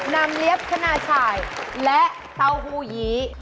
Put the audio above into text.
นำเลี้ยบขนาดฉ่ายและเต้าหู้ยี